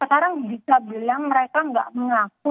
sekarang bisa bilang mereka nggak mengaku